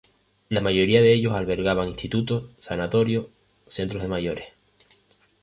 La mayoría de ellos albergan institutos, sanatorios, centros de mayores.